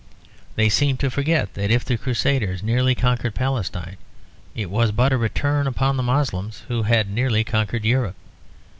They seem to forget that if the Crusaders nearly conquered Palestine, it was but a return upon the Moslems who had nearly conquered Europe.